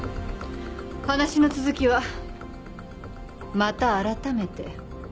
話の続きはまた改めて。